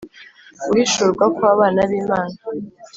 Guhishurwa kw abana b Imana